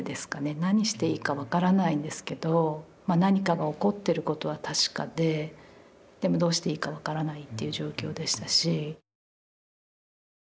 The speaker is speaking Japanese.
何していいか分からないんですけどまあ何かが起こってることは確かででもどうしていいか分からないという状況でしたし。